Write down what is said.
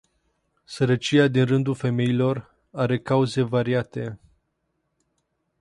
Sărăcia din rândul femeilor are cauze variate.